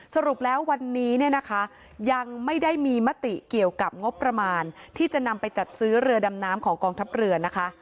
สรุปแล้ววันนี้เนี่ยนะคะยังไม่ได้มีมติเกี่ยวกับงบประมาณที่จะนำไปจัดซื้อเรือดำน้ำของกองทัพเรือนะคะ